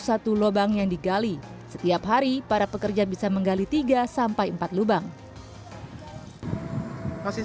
satu lubang yang digali setiap hari para pekerja bisa menggali tiga sampai empat lubang kasih